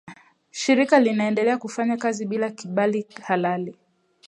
Shirika linaendelea kufanya kazi bila kibali halali